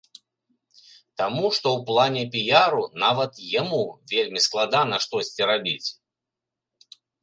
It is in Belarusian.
Таму што ў плане піяру нават яму вельмі складана штосьці рабіць.